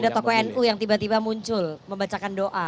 ada tokoh nu yang tiba tiba muncul membacakan doa